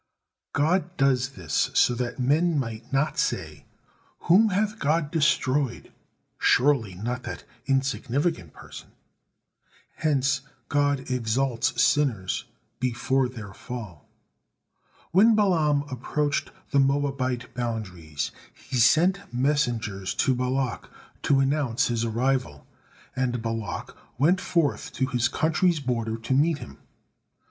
God does this so that men might not say, "Whom hath God destroyed? Surely not that insignificant person," hence God exalts sinners before their fall. When Balaam approached the Moabite boundaries, he sent messengers to Balak to announce his arrival, and Balak went forth to his country's border to meet him.